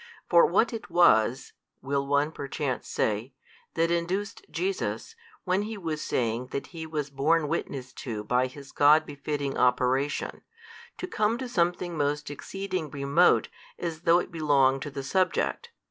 For what was it (will one perchance say) that induced Jesus, when He was saying that He was borne witness to by His God befitting Operation, to come to something most exceeding remote as though it belonged to the subject?